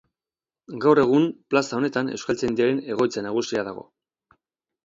Gaur egun plaza honetan Euskaltzaindiaren egoitza nagusia dago.